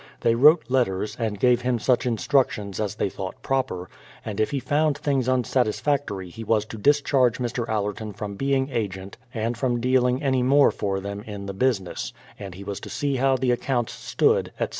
They wrote letters, and gave him such instructions as they thought proper — and if he found things unsatisfactory he was to discharge Mr. Allerton from being agent and from dealing any more for them in the business, and he was to see how the accounts stood, etc.